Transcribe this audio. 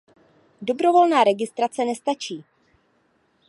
Dobrovolná registrace nestačí.